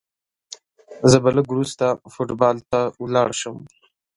زه به لږ وروسته فوټبال ته ولاړ سم.